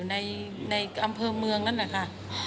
ในอำเภอเมืองนั่นแหละค่ะ